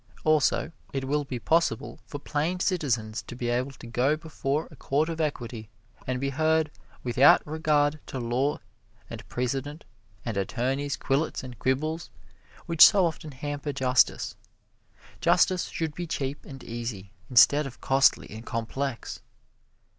Also, it will be possible for plain citizens to be able to go before a Court of Equity and be heard without regard to law and precedent and attorney's quillets and quibbles, which so often hamper justice. Justice should be cheap and easy, instead of costly and complex.